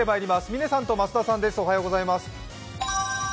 嶺さんと増田さんです。